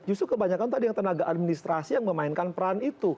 justru kebanyakan tadi yang tenaga administrasi yang memainkan peran itu